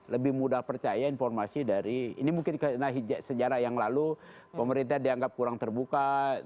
lebih mudah percaya informasi dari ini mungkin karena sejarah yang lalu pemerintah dianggap kurang terbuka